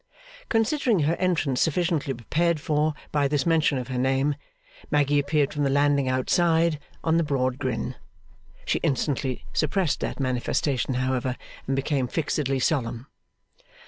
Considering her entrance sufficiently prepared for by this mention of her name, Maggy appeared from the landing outside, on the broad grin. She instantly suppressed that manifestation, however, and became fixedly solemn.